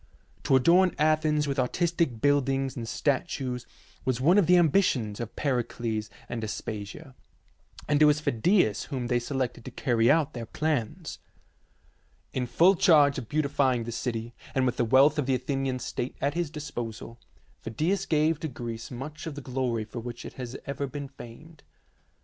To adorn Athens with artistic buildings and statues was one of the ambitions of Pericles and Aspasia, An Ancient Copy of the Athena Parthenos STA TUB OF THE 01 YMPIAN ZEUS 85 and it was Phidias whom they selected to carry out their plans. In full charge of beautifying the city, and with the wealth of the Athenian state at his disposal, Phidias gave to Greece much of the glory for which it has ever been famed.